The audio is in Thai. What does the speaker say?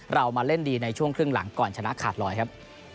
เรามาเล่นดีในช่วงครึ่งหลังก่อนชนะขาดลอยครับ